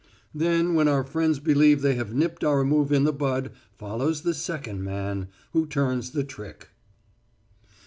Then when our friends believe they have nipped our move in the bud follows the second man who turns the trick."